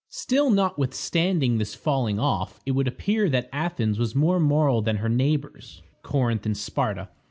Still, notwithstanding this falling off, it would appear that Athens was more moral than her neighbors, Corinth and Sparta.